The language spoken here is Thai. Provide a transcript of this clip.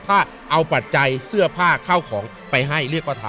ถ้าเอาปัจจัยเสื้อผ้าเข้าของไปให้เรียกว่าทำ